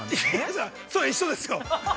◆それ一緒ですよ。